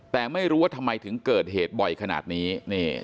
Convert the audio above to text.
แต่ไม่รู้ว่าทำไมถึงเกิดเหตุบ่อยขนาดนี้